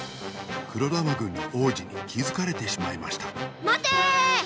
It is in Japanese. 黒玉軍の王子にきづかれてしまいましたまてーー！